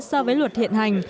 so với luật hiện hành